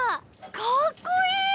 かっこいい！